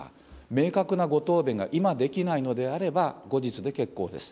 明確なご答弁が今できないのであれば、後日で結構です。